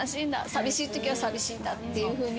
寂しいときは「寂しいんだ」っていうふうに。